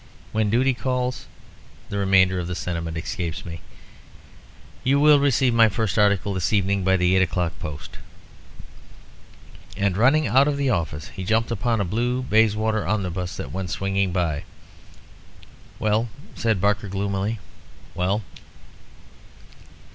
'When duty calls' the remainder of the sentiment escapes me. You will receive my first article this evening by the eight o'clock post." And, running out of the office, he jumped upon a blue Bayswater omnibus that went swinging by. "Well," said Barker, gloomily, "well."